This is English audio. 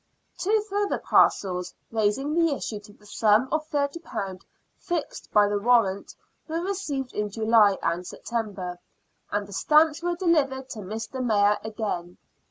Two further parcels, raising the issue to the sum of £30 fixed by the warrant, were received in July and September, " and the stamp was delivered to Mr, Mayor again."